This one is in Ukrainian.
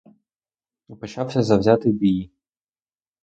І почався завзятий бій.